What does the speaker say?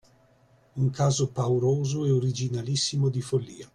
Un caso pauroso e originalissimo di follia.